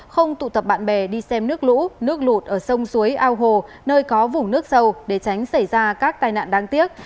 không tụ tập bạn bè đi xem nước lũ nước lụt ở sông suối ao hồ nơi có vùng nước sâu để tránh xảy ra các tai nạn đáng tiếc